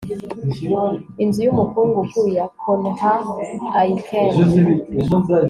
inzu y'umukungugu ya conrad aiken